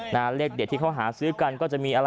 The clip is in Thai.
เลขเด็ดที่เขาหาซื้อกันก็จะมีอะไร